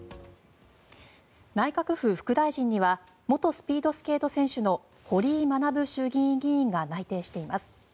内閣府副大臣には元スピードスケート選手の堀井学衆議院議員が内定しています。